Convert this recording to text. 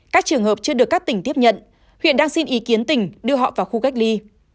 các trường hợp chưa được các tỉnh tiếp nhận huyện đang xin ý kiến tỉnh đưa họ vào khu cách ly